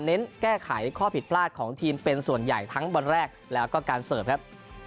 เน้นแก้ไขข้อผิดพลาดของทีมเป็นส่วนใหญ่ทั้งวันแรกแล้วก็การเสิร์ฟครับ